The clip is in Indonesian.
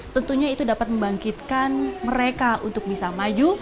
tentunya itu dapat membangkitkan mereka untuk bisa maju